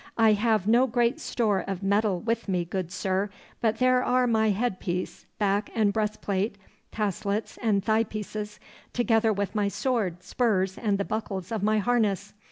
'I have no great store of metal with me, good sir, but there are my head piece, back and breast plate, taslets and thigh pieces, together with my sword, spurs, and the buckles of my harness.